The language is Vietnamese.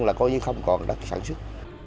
là coi như không còn đất sản xuất